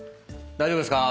大丈夫ですか？」